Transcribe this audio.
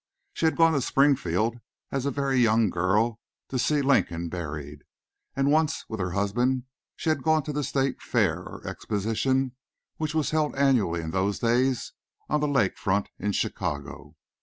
She had gone to Springfield as a very young girl, to see Lincoln buried, and once with her husband she had gone to the state fair or exposition which was held annually in those days on the lake front in Chicago.